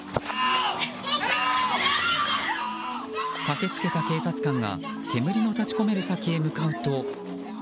駆けつけた警察官が煙の立ち込める先へ向かうと。